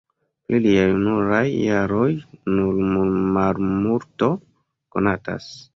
Pri lia junulaj jaroj nur malmulto konatas.